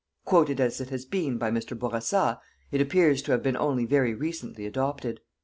Quoted as it has been by Mr. Bourassa, it appears to have been only very recently adopted.